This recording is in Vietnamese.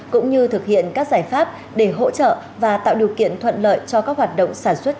cũng như thực hiện các giải pháp để hỗ trợ và tạo điều kiện thuận lợi cho các hoạt động sản xuất